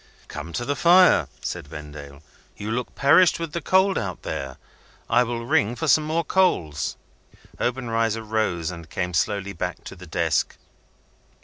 "Come to the fire," said Vendale. "You look perished with the cold out there. I will ring for some more coals." Obenreizer rose, and came slowly back to the desk.